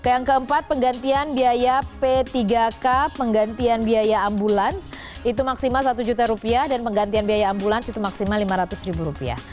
yang keempat penggantian biaya p tiga k penggantian biaya ambulans itu maksimal satu juta rupiah dan penggantian biaya ambulans itu maksimal lima ratus ribu rupiah